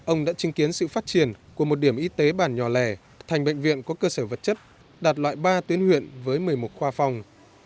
ông đã chứng kiến sự phát triển của một điểm y tế bản nhỏ lẻ thành bệnh viện có cơ sở vật chất đạt loại ba tuyến huyện với một mươi một khoa phòng